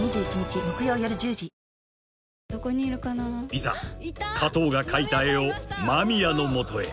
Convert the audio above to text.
［いざ加藤が描いた絵を間宮の元へ］